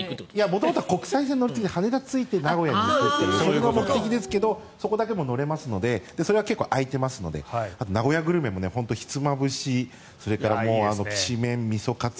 元々は国際線で羽田に着いて名古屋に行くというものですがそこだけでも乗れますのでそれは結構空いてますので名古屋グルメも、ひつまぶしそれから、きしめん、みそカツ